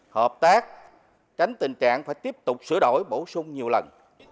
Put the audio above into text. hợp tác tránh tình trạng phải tiếp tục sửa đổi bổ sung nhiều lần